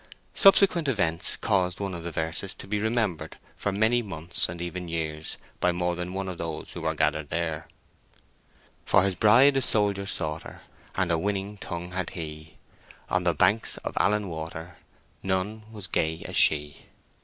Subsequent events caused one of the verses to be remembered for many months, and even years, by more than one of those who were gathered there:— For his bride a soldier sought her, And a winning tongue had he: On the banks of Allan Water None was gay as she!